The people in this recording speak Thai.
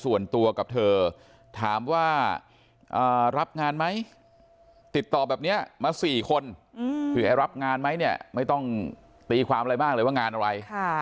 ส่วนตัวกับเธอถามว่ารับงานไหมติดต่อแบบนี้มา๔คนคือไอ้รับงานไหมเนี่ยไม่ต้องตีความอะไรมากเลยว่างานอะไร